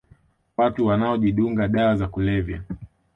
Watu wanaojidunga dawa za kulevya